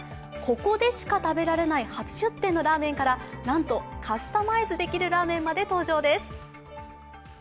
ここでしか食べられない初出店のラーメンからなんとカスタマイズできるラーメンまで登場です。